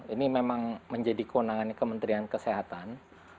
ini memang menjadi kewenangan kementerian kesehatan